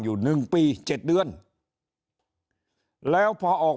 ถ้าท่านผู้ชมติดตามข่าวสาร